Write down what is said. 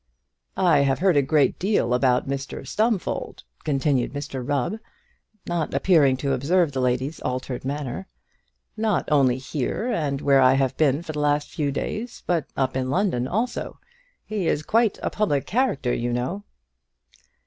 "I have heard a great deal about Mr Stumfold," continued Mr Rubb, not appearing to observe the lady's altered manner, "not only here and where I have been for the last few days, but up in London also. He is quite a public character, you know."